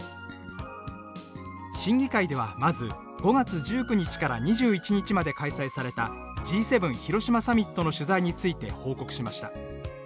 審議会ではまず５月１９日から２１日まで開催されたＧ７広島サミットの取材について報告しました。